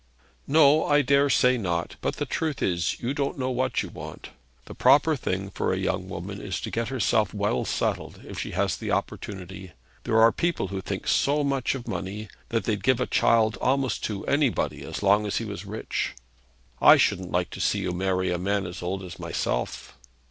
'No, I daresay not. But the truth is, you don't know what you want. The proper thing for a young woman is to get herself well settled, if she has the opportunity. There are people who think so much of money, that they'd give a child almost to anybody as long as he was rich. I shouldn't like to see you marry a man as old as myself.'